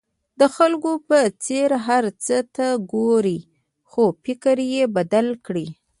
د خلکو په څېر هر څه ته ګورئ خو فکر یې بدل کړئ.